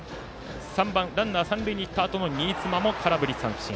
３番、ランナー三塁にいったあとの新妻も空振り三振。